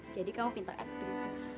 jadi kamu pinter acting